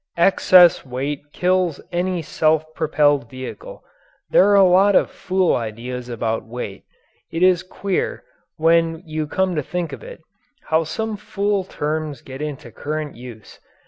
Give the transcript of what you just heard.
Excess weight kills any self propelled vehicle. There are a lot of fool ideas about weight. It is queer, when you come to think of it, how some fool terms get into current use.